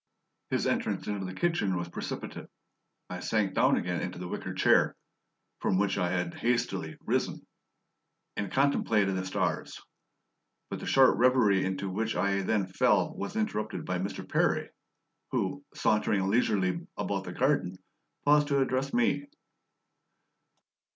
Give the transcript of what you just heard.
His entrance into the kitchen was precipitate. I sank down again into the wicker chair (from which I had hastily risen) and contemplated the stars. But the short reverie into which I then fell was interrupted by Mr. Percy, who, sauntering leisurely about the garden, paused to address me.